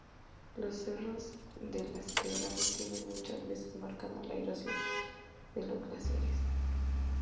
Los cerros de las quebradas tienen muchas veces marcada la erosión de los glaciares.